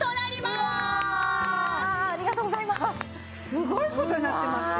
すごい事になってますよ。